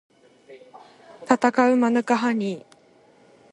たたかうマヌカハニー